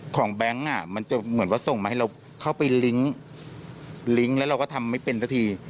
แบงค์มันจะเหมือนว่าส่งมาให้เราเข้าไปลิงก์ลิงก์แล้วเราก็ทำไม่เป็นสักที